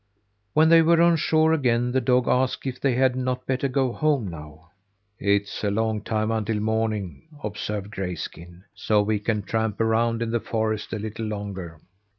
When they were on shore again, the dog asked if they had not better go home now. "It's a long time until morning," observed Grayskin, "so we can tramp around in the forest a little longer."